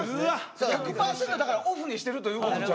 １００％オフにしてるということ。